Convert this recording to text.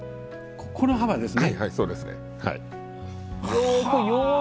この幅ですね。